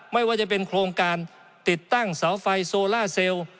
ไม่ว่าจะเป็นโครงการติดตั้งเสาไฟโซล่าเซลล์